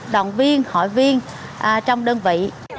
động viên hội viên trong đơn vị